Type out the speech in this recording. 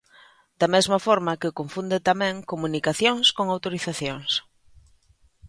Da mesma forma que confunde tamén comunicacións con autorizacións.